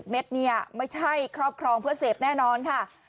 เม็ดเนี่ยไม่ใช่ครอบครองเพื่อเสพแน่นอนค่ะ